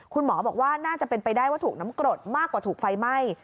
คุณหมอบอกว่าน่าจะเป็นไปได้ว่าถูกน้ำกรดมากกว่าถูกไฟไหม้